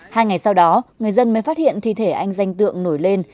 hai ngày sau đó người dân mới phát hiện thi thể anh danh tượng nổi lên